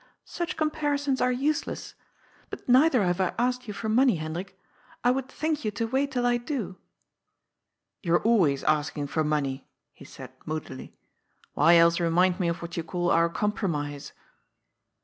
^'Such comparisons are useless. But neither have I asked you for money, Hendrik. I would thank you to wait till I do." "You are always asking for money," he said moodily. "Why else remind me of what you call our compro mise?"